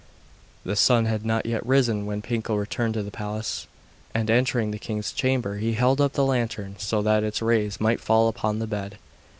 The sun had not yet risen when Pinkel returned to the palace, and, entering the king's chamber, he held up the lantern so that its rays might fall upon the bed.